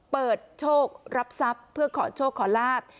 เปิดโชครับทรัพย์เพื่อขอโชคขอลาบ